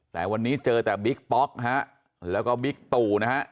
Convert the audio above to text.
แต่วันนี้เจอแต่บิ๊กป๊อกฮะแล้วก็บิ๊กตู่นะฮะ